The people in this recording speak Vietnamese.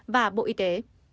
và bộ y tế